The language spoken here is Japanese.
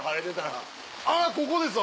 あっここですわ！